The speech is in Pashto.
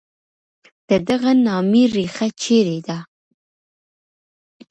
د دغي نامې ریښه چېري ده؟